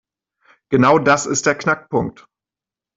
Genau das ist der Knackpunkt.